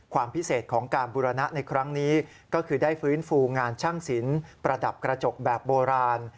ความพิเศษของการบุรณะในครั้งนี้ก็คือได้ฟื้นฟูงานช่างศิลป์ประดับกระจกแบบโบราณ